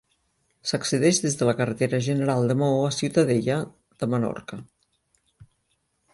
S'accedeix des de la carretera general de Maó a Ciutadella de Menorca.